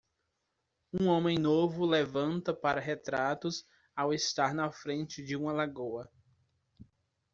Um homem novo levanta para retratos ao estar na frente de uma lagoa.